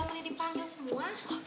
mari dipanggil semua